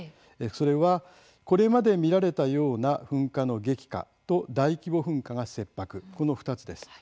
それは、これまで見られたような噴火の激化と大規模噴火が切迫この２つです。